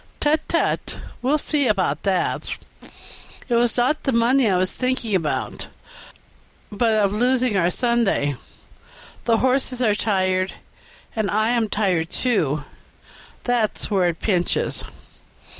"Tut, tut! we'll see about that. It was not the money I was thinking about, but of losing our Sunday; the horses are tired, and I am tired, too that's where it pinches."